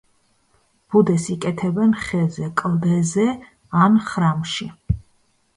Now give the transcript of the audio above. ბუდეს იკეთებენ ხეზე, კლდეზე ან ხრამში.